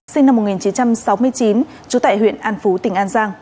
sinh năm một nghìn chín trăm sáu mươi chín trú tại huyện an phú tỉnh an giang